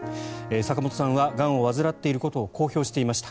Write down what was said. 坂本さんはがんを患っていることを公表していました。